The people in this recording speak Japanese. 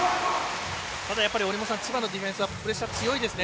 折茂さん、千葉のディフェンスはプレッシャー強いですね。